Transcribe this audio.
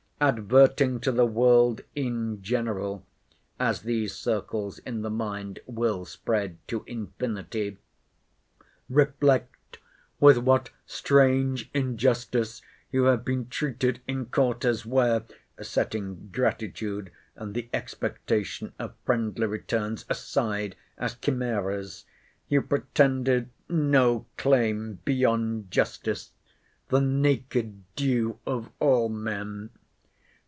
Adverting to the world in general, (as these circles in the mind will spread to infinity) reflect with what strange injustice you have been treated in quarters where, (setting gratitude and the expectation of friendly returns aside as chimeras,) you pretended no claim beyond justice, the naked due of all men.